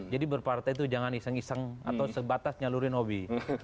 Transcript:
berpartai itu jangan iseng iseng atau sebatas nyalurin hobi